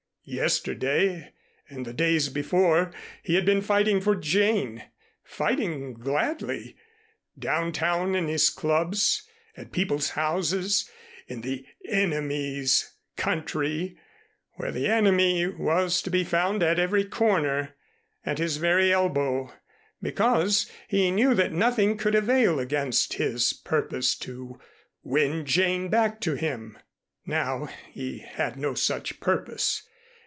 Yesterday and the days before he had been fighting for Jane, fighting gladly downtown, in his clubs, at people's houses, in the Enemy's country, where the Enemy was to be found at every corner, at his very elbow, because he knew that nothing could avail against his purpose to win Jane back to him. Now he had no such purpose.